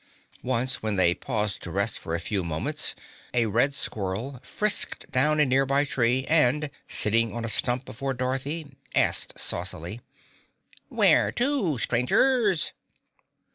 Once when they paused to rest for a few moments a red squirrel frisked down a nearby tree and, sitting on a stump before Dorothy, asked saucily, "Where to, strangers?"